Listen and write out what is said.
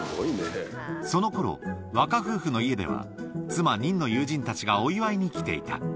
そのころ、若夫婦の家では妻、ニンの友人たちがお祝いに来ていた。